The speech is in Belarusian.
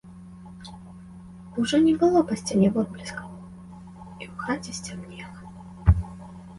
Ужо не было па сцяне водблескаў, і ў хаце сцямнела.